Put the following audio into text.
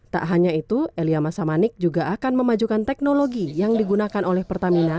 tak hanya itu elia masamanik juga akan memajukan teknologi yang digunakan oleh pertamina